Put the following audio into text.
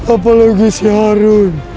apalagi si harun